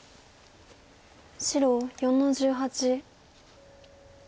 白４の十八。